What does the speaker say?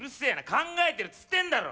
考えてるっつってんだろ！